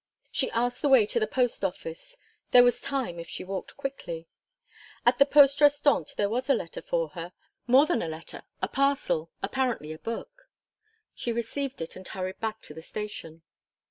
She asked the way to the post office. There was time if she walked quickly. At the Poste Restante there was a letter for her more than a letter, a parcel, apparently a book. She received it and hurried back to the station.